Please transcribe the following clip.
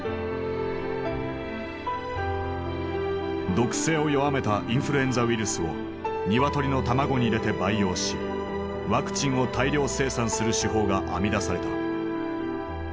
毒性を弱めたインフルエンザウイルスを鶏の卵に入れて培養しワクチンを大量生産する手法が編み出された。